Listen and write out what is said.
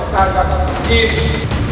setan dan segini